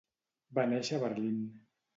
Va néixer a Berlín.